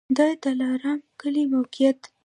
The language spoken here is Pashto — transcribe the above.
د دلارام کلی موقعیت